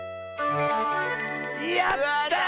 やった！